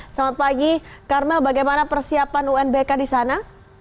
selamat pagi karmel bagaimana persiapan unbk di sana